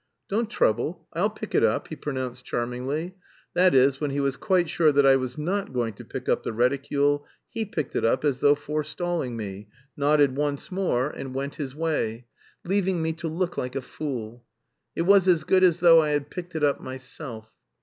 "Don't trouble, I'll pick it up," he pronounced charmingly; that is, when he was quite sure that I was not going to pick up the reticule, he picked it up as though forestalling me, nodded once more, and went his way, leaving me to look like a fool. It was as good as though I had picked it up myself.